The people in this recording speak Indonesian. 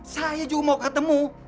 saya juga mau ketemu